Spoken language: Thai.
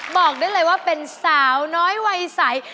บอกได้เลยว่าเป็นสาวน้อยวัยใส